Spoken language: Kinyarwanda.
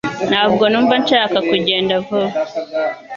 Ntabwo numva nshaka kugenda vuba